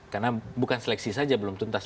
karena bukan seleksi saja belum tuntas